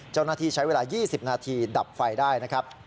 เจ้าหน้าที่ใช้เวลา๒๐นาทีดับไฟได้นะครับ